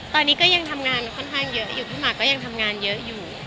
ตอนนี้ก็ยังทำงานค่อนข้างเยอะอยู่พี่หมากก็ยังทำงานเยอะอยู่